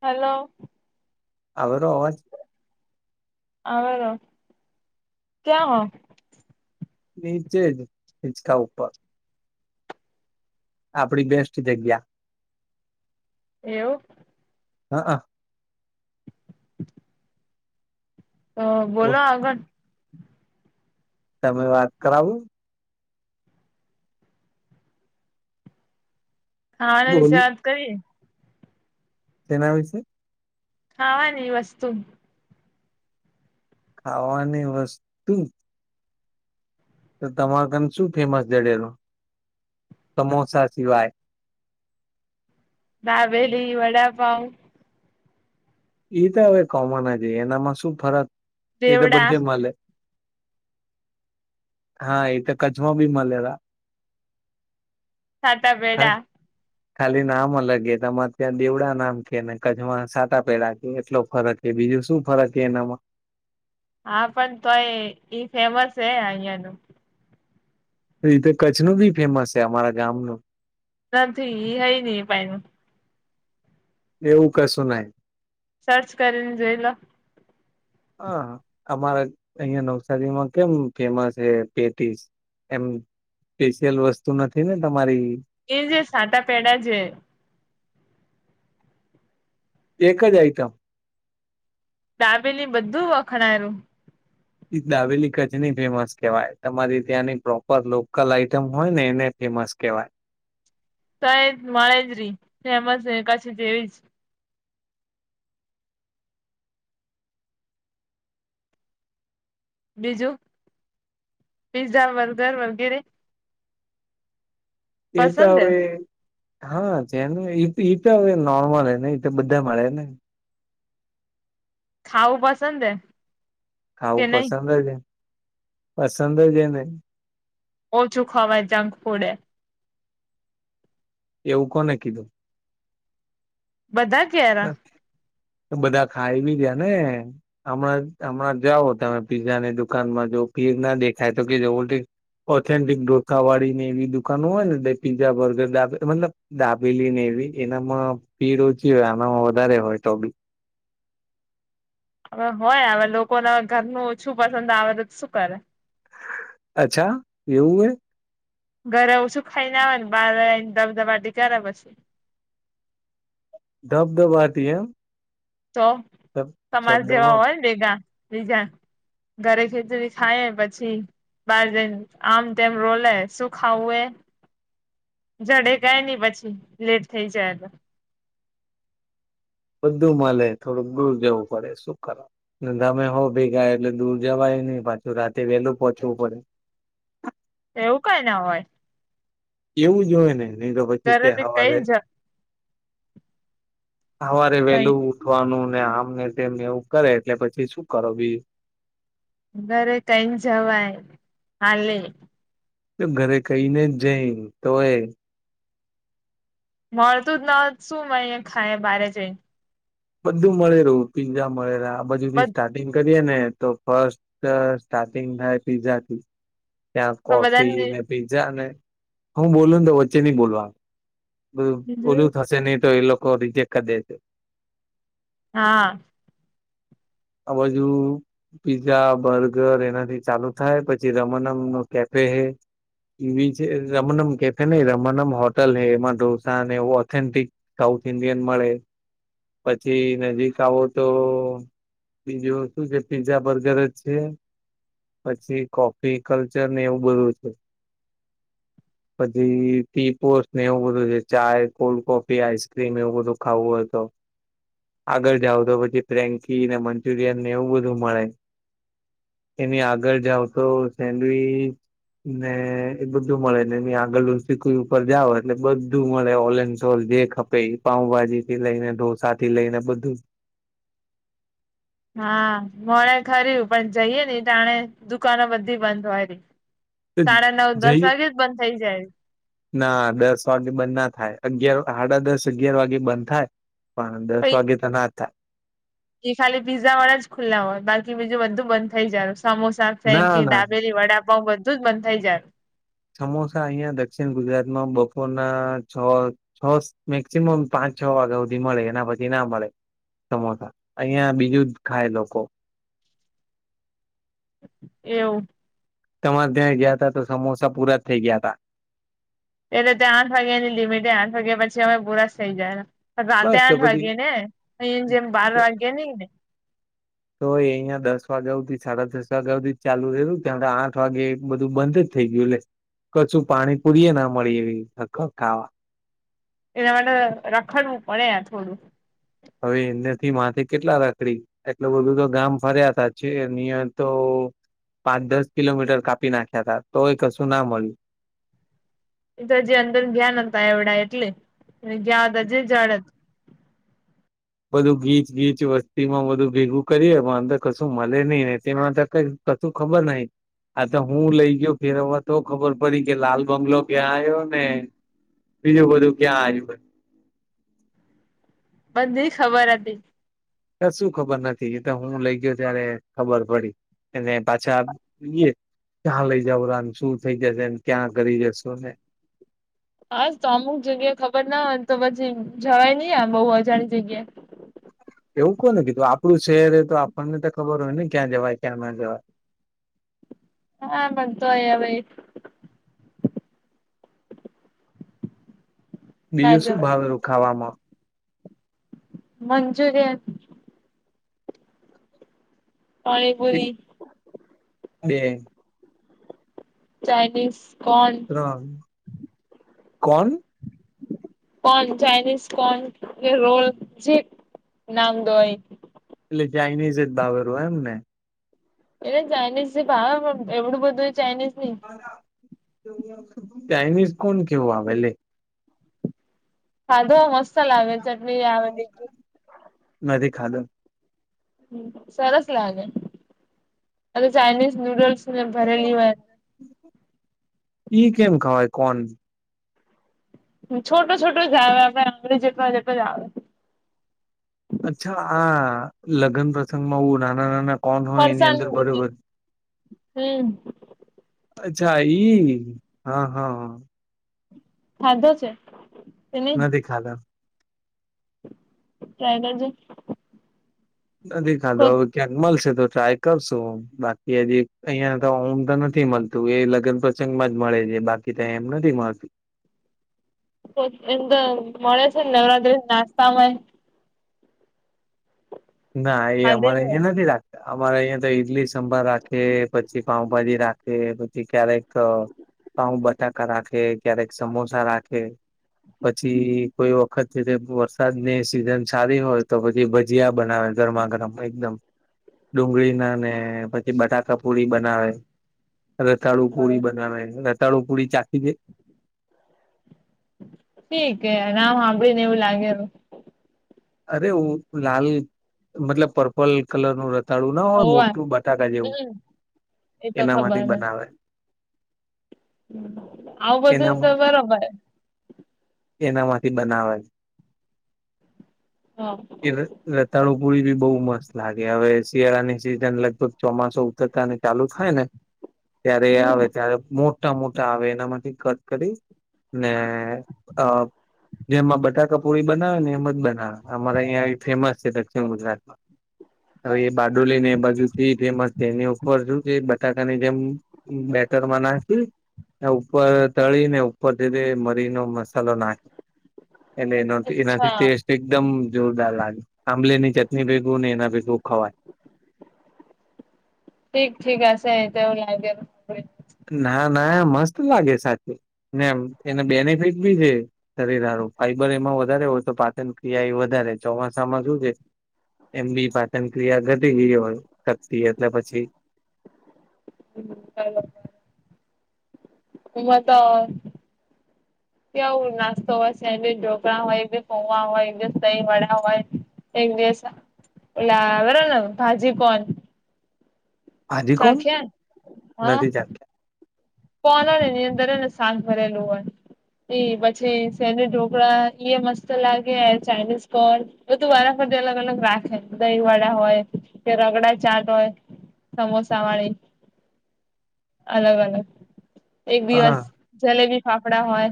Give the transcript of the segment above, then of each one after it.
Hello. આવેરો અવાજ. આવેરો ક્યાં હો? નીચે જ હિંચકા ઉપર. આપડી બેસ્ટ જગ્યા. એવું. હ અ. તો હા બોલો આગળ. તમે વાત કરાઉ. હા આના વિશે વાત કરીએ. કેના વિશે? ખાવા ની વસ્તુ. ખાવાની વસ્તુ. તો તમાર કને શું ફેમસ જડેલો સમોસા સિવાય. દાબેલી, વડાપાવ. એ તો હવે કોમન જ એનામાં શું ફરક એ તો દેવડા બધે મળે. હા એ તો કચ્છમાં બી મળેલા. સાતા બેડા. ખાલી નામ અલગ એ તમારે ત્યાં દેવડા નામ કે ને કચ્છમાં સાટા પેડા કે એટલો ફરક એ. બીજું શું ફરક છે એનામાં. હા પણ તોય ઈ ફેમસ છે અહિયાંનું. એ રીતે કચ્છનું બી ફેમસ છે અમારા ગામનું. નથી એ હૈ નહીં એ પાઈનું. એવું કશું નહી. સર્ચ કરી નિ જોઇ લો. હા હ અમારા અહીંયા નવસારીમાં કેમ ફેમસ હે પેટીસ. એમ સ્પેશિયલ વસ્તુ નથી ને તમારી. એ જે સાટા પેડા છે. એક જ આઈટમ. ડાબેલી બધું વખણાયરૂ. દાબેલી કરછની ફેમસ કેવાય તમારી ત્યાંની પ્રોપર લોકલ આઈટમ હોય ને એને ફેમસ કેવાય. તએજ મળેજ રિ ફેમસ હે કરછ જેવી જ. બીજું, પીઝા બર્ગર વગેરે. એ તો પસંદ હે હવે હા જેને ઈત ઇત હવે નોર્મલ હ ને એ તો બધા મળે ને. ખાવું પસંદે. ખાવું પસંદ જ પસંદ જ ને. ઓછું ખવાય જંક ફૂડે. એવું કોને કીધું. બધા ક્યાર. બધા ખાઈ બી ગયા ને હમણાં હમણાં જઓ તમે પીઝા ની દુકાનમાં જો. ના દેખાય તો કે જે [unintelligible] બોલ. ઓથેન્ટિક ઢોસાવાળી ને એવી દુકાનો હોય ને પીઝા બર્ગરા મતલબ દાબ દાબેલી ને. એનામાં પીડ ઓછી હોય આનામાં વધારે હોય તો બી. હવે હોય હવે લોકોને ઘરનું ઓછું પસંદ આવે તો શું કરે. અચ્છા એવું હ. ઘરે ઓછુ ખાઈને આવે ને બાર એને દબદબાટી કરે પછી. ધબ ધબ આતી એમ. તો તમારે જેવા શબ્દમાં હોયને ભેગા બીજા ઘરે ખેચડી ખાય પછી. બાર જઇન આમ તેમ રોલે શું ખાવું એ. જડે જાય નહી, પછી લેટ થઈ જાય તો બધું મળે. થોડુંક દૂર જવું પડે શું કર? તમે હો ભેગાય એટલે દૂર જવાય નઈ પાછું રાતે વેહેલું પહોચવું પડે એવું કઈ ના હોય. એવું જ હોય, ને નહી તો પછી કે ઘરે તો હવારે કઈ જ હવારે કઈ વેલું ઉઠવાનું અને આમ ને તેમ એવું કરે એટલે પછી શું કરો બીજું ઘરે કહીને જવાય. હાલે! તો, ઘરે કહીને જ જઈ. તો એ મળતું જ ન હોય. શું મયન ખાય બારે જઈ ને? બધું મળે રહ્યું પીઝા મળેલા, બાજુી સ્ટાર્ટિંગ કરી એ ને તો ફસ્ટ સ્ટાર્ટિંગ થાય પીઝાથી ત્યાં કોફી બધાને ને પીઝા ને, હું બોલું ને તો વચ્ચે નહી બોલવા નું. બધુ બીજું ઓલું થશે નહી તો એ લોકો રિજેક્ટ કરી દે સે હા આ બાજુ પીઝા, બર્ગર એનાથી ચાલુ થાય પછી રમનમ નું કેફ કેહૈ એવી છે રમનમ કેફે નહીં રમનમ હોટલ હે એમાં ઢોસાને એવું ઓથેન્ટિક તવ થ ઇન્ડિયન મળે પછી નજીક આવો તો બીજું શું છે પીઝા બર્ગર જ છે પછી કોફી કલ્ચરને એવું બધું છે પછી ટીપોસ્ટ ને એવું બધું છે ચાય, કોલ્ડ કોફી, આઈસક્રીમ એવું બધું ખાવું હોય તો આગળ જાઉ તો પછી ફ્રેન્કી ને મંચુરિયન ને એવું બધું મળે એની આગળ જાવ તો સેન્ડવીચ ને એ બધું મળે ને આગળ લુનસી કોઈ ઉપર જાઓ એટલે બધું મળે ઓલ એન્ડ સોલ જે ખપે ઇ પાઉભાજી થી લઈ ને ઢોસા થી લઈને બધું [inaudible] હા, મોણે ખર્યું પણ જઈએ ને એટાણે દુકાનો બધી બંધ હોય લી જઈએ જાય ના દસ વાગે બંધના થાય અગિયાર, સાડા દસ, અગયાર વાગે બંધ થાય પણ દસ વાગે તો ના જ થાય. કે ખાલી પીઝા વાળા જ ખુલ્લા હોય બાકી બીજું બધું બંધ થઈ જાળું સમોસા, ના ફેંકી, ના દાબેલી, વડાપઉ, બધું જ બંધ થઈ જાય સમોસા અહિયાં દક્ષિણ ગુજરાતમાં બપોરના છ છ મેક્સિમમ પાં છ વાગ્યા હુંધી મળે એના પછી ના મળે સમોસા અહીંયા બીજું જ ખાય લોકો એવું તમારા ત્યાં ગયા તા તો સમોસા પૂરા થઈ ગયા તા એટલે ત્યાં આઠ વાગ્યા ની લિમિટ આઠ વાગ્યા પછી અમે પુરા જ થઈ જાય રાતે બસ તો આઠ પછી વાગે ને અહી જેમ બાર વાગે નહીં ને તો અહિયાં દસ વાગ્યા હુધી સાડા દસ વાગ્યા હુધી ચાલુ રહ્યું ત્યા તો આઠ વાગે બંધ થઈ ગયુંલે કછું પાણી પૂરીએ ના મળી એવી આખા કાવા એના માટે રખડવું પડે થોડું હવે એનાથી માથે કેટલા રકડી એટલું બધું તો ગામ ફર્યા ત છે ની ય તો પાંચ દસ કિલોમીટર કાપી નાખ્યા તા તો એ કશું ના મળ્યું એ તો જે અંદર ગ્યા ન તા એવડા એટલે એ ગયા હતા જે જડત બધું ગીચ ગીચ વસ્તી માં બધું ભેગું કરીએ પણ અંદર કશું મળે નહી ને તેમાં કઈ ક તું ખબર નહિ આ તો હું લઇ ગયો ફેરવવા તો ખબર પડી કે લાલ બંગલો ક્યાં આવ્યો ને બીજું બધું ક્યાં આયું બધી ખબર હતી કશું ખબર નથી એ તો હું લઈ ગયો ત્યારે ખબર પડી અને પાછા બીએ ક્યાં લઈ જાવરા શું થઇ જશે ક્યાં કરી જસોને હાસ તો અમુક જગ્યા ખબર ના હોય તો પછી જવાય નઈ આમ બહુ અજાણી જગ્યાએ [inaudible] એવું કોને કીધું આપડું શહેર તો આપણને તો ખબર હોય ને ક્યાં જવાય ક્યાં ના જવાય હા પણ તોય હવે ના બીજું શું જવાય ભાવે રું ખાવામાં મંચુરિયન એક પાણીપુરી બે. ચાઈનીઝ ત્રણ કોણ? કોન ચાયનીશ કોન કે રોલ જે નામ દો એ. એટલે ચાઈનીઝ એજ ભાવેરો એમ ને. એટલે ચાઇનીઝ ભાવે એવડું બધું ચાઇનીઝ નહી. ચાઇનીઝ કોન કેવું આવે લે. ખાધો મસ્ત લાગે ચટણી આવે બીજું. નથી ખાધો. હમ્મ સરસ લાગે આ તો ચાઇનીઝ નૂડલ્સ પુરે ભરેલી હોય. ઈ કેમ ખવાય કોન. છોટો છોટો જ આવે આપણે આંગળી જેટલા જેટલો જ આવે. અચ્છા આ લગ્ન પ્રસંગમાં હું નાના-નાના કોણ હોય એની ફરસાણ અંદર ની જગ્યા બરોબર હમ [inaudible] છા ઈ હા-હા ખાધો છે તેને નથી ખાધા. ટ્રાય કરજે નથી ખાધો હવે ક્યાંક મળશે તો ટ્રાય કરશું બાકી હજી અહિયા તો ઓમ તો નથી મળતું એ લગ્ન પ્રસંગ માં જ મળે તે બાકી તો એમ નથી મળતી. તો એમ તો મળે છે ને નવરાત્રી નાસ્તા માંય? ના એ અમારે એ ખાધેલું નથી રાખ અમારે અહિયાં તો ઈડલી સાભાર રાખે પછી પાાવભાજી રાખે પછી ક્યારેક તો પાઉ બટાકા રાખે ક્યારેક સમોસા રાખે પછી કોઈ વખત વરસાદ ની સીઝન સારી હોય તો પછી ભજીયા બનાવે ગરમા ગરમ એકદમ ડુંગળીના ને ને પછી બટાકા પૂરી બનાવે. રતાળુ પુરી બનાવે રતાળુ પુરી ચાખી તે ઠીક હે નામ સાંભળી ને એવું લાગેલું. અરે હું લાલ મતલબ પર્પલ કલર નું ર તાળું ના હોય હોવા મોટું બટાકા જેવું, હમ એ તો ખબર એનામાંથી ને બનાવે. આવું બધુંજ તો બરોબર હે. એના માંથી બનાવે. હા ઈર રતાણુ ગૂળીબી બહુ મસ્ત લાગે હવે શિયાળાની સીઝન લગભગ ચોમાસો ઉતરતા ને ચાલુ થાયને ત્યારે એ આવે હમ ત્યારે મો ટા મોટા આવે એનામાંથી કટ કરી ને અહ જેમાં બટાટો પૂરી બનાવે ને એમ જ બનાવે. અમારે અહિયાં એ ફેમસ છે દક્ષિણ ગુજરાતમાં. હવે એ બારડોલીને એ બાજુથી ફેમસ છે એની ઉપર જોજે બટાટાની જેમ બે ખેતરમાં નાખી ત્યાં ઉપર તળી ને ઉપરથી તે મરીનો મસાલો નાખ એને એનોથી એનાથી અચ્છા ટેસ્ટ એક તમ જોરદાર લાગે. આમલેની ચટણી ભેગું ને એના ભેગું ખવાય. ઠીક ઠીક એસે તેવું લાગે. ના ના મસ્ત લાગે સાચું ને એમ એને બેનિફિટ બી છે શરીર ફાઈબર એમાં વધારે હોય તો પાચન ક્રિયાએ વધારે ચોમાસામાં શું છે. એમ બી પાચન ક્રિયા ઘટીગી હોય શકતી એટલે પછી હમ કઈ વાત. [unintelligible] કે આવું નાસ્તો હોય સેન્ડવીચ, ઢોકડાા હોય એક દિવસ પોવા હોય એક દિવસ દહી વડા હોય. એક દિવસ ઓલા આવેરાને ભાજી કોન. ચાખ્યા [unintelligible] પોનનેની અંદર એને શાક ભરેલું હોય. એ પછી સેન્ડવીચ ઢોકળા મસ્ત લાગે ચાઇનીઝ કોન બધું વારા અલગ અલગ રાખે દહીવાડા હોય કે રગડાચાટ હોય. સમોસા વાળી અલગ અલગ. એક દિવસ હા જલેબી ફાફડા હોય.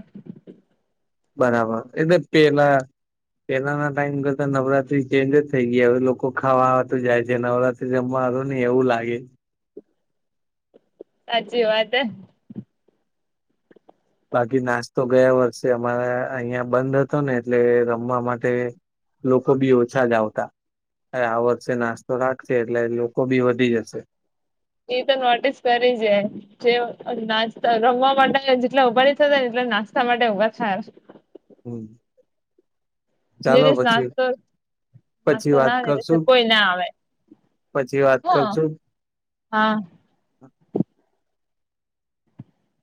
બરાબર એટલે પેલા. પેલાના ટાઈમ કરતા નવરાત્રી ચંજીજ થઈ ગયા હવે લોકો ખાવાવા તો જાય છે નવરાત્રી રમવા. [unintelligible] એવું લાગે. સાચી વાત હૈ. બાકી નાસ્તો ગયા વર્ષે અમારા અહિયા બંધ હતો ને એટલે રમવા માટે લોકો બી ઓછાજ આવતા. આ વર્ષે નાસ્તો રાખશે એટલે લોકો બી વધી જશે. એ તો નોટિસ કરી જે જે નાચતા રમવા માટે જેટલા ઉબાડી થતા ને. નાસ્તા માટે ઉભા થાર. હમ. [unintelligible] નાસ્તો. પછી નાસ્તો વાત ના કરશું [unintelligible] કોઈ ના આવે પછી વાત હ. કરશું હા. [inaudible]